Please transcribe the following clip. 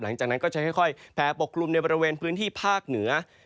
หลังจากนั้นก็จะค่อยแผ่ปกกลุ่มในบริเวณพื้นที่ภาคเหนือ